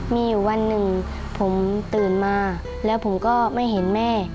มีอยู่วันหนึ่งผมตื่นมาแล้วผมก็ไม่เห็นแม่